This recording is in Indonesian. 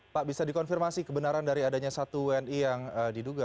pak bisa dikonfirmasi kebenaran dari adanya satu wni yang diduga